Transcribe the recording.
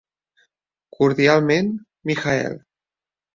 Cordialment, Michael.